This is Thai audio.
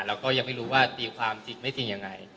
แล้วก็ยังไม่รู้ว่าตีความจริงไม่จริงยังไง